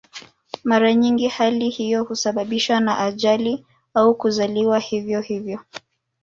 Mara nyingi hali hiyo husababishwa na ajali au kuzaliwa hivyo hivyo.